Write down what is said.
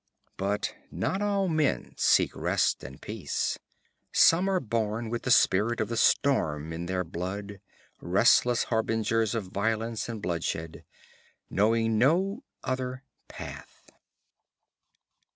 But not all men seek rest and peace; some are born with the spirit of the storm in their blood, restless harbingers of violence and bloodshed, knowing no other path....